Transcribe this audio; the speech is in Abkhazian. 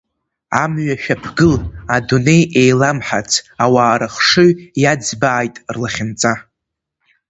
Амҩа шәаԥгыл, адунеи еиламҳарц, ауаа рыхшыҩ иаӡбааит рлахьынҵа!